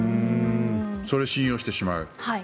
それを信用してしまう。